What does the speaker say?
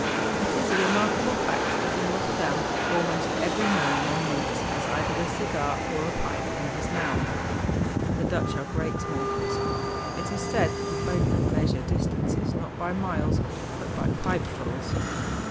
It is a remarkable fact that in Rotterdam almost every man one meets has either a cigar or a pipe in his mouth. The Dutch are great smokers. It is said that the boatmen measure distances not by miles, but by pipefuls.